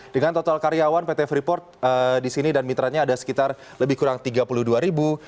dengan total karyawan pt freeport di sini dan mitranya ada sekitar lebih kurang tiga puluh dua ribu